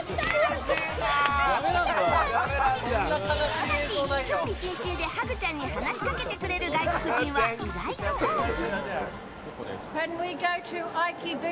しかし、興味津々でハグちゃんに話しかけてくれる外国人は意外と多く。